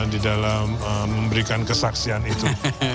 di dalam memberikan kesaksian itu